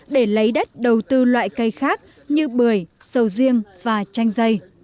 để lấy đất đầu tư loại cây khác như bưởi sầu riêng và đường